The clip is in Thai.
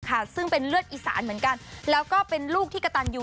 ค่ะซึ่งเป็นเลือดอีสานเหมือนกันแล้วก็เป็นลูกที่กระตันอยู่